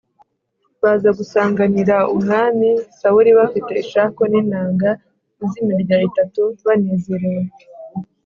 baza gusanganira Umwami Sawuli bafite ishako n’inanga z’imirya itatu, banezerewe.